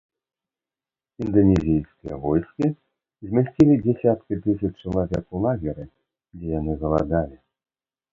Інданезійскія войскі змясцілі дзясяткі тысяч чалавек у лагеры, дзе яны галадалі.